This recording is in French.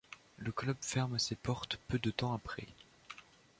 Le club ferme ses portes peu de temps après.